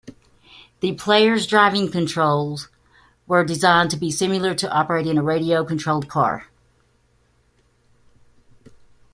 The player's driving controls were designed to be similar to operating a radio-controlled car.